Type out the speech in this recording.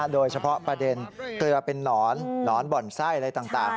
โดยเฉพาะประเด็นเกลือเป็นนอนหนอนบ่อนไส้อะไรต่าง